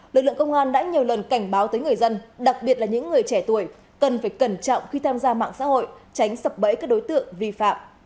lực lượng công an đã nhiều lần cảnh báo tới người dân đặc biệt là những người trẻ tuổi cần phải cẩn trọng khi tham gia mạng xã hội tránh sập bẫy các đối tượng vi phạm